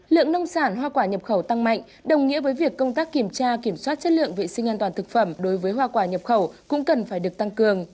lượng nông sản hoa quả nhập khẩu tăng mạnh đồng nghĩa với việc công tác kiểm tra kiểm soát chất lượng vệ sinh an toàn thực phẩm đối với hoa quả nhập khẩu cũng cần phải được tăng cường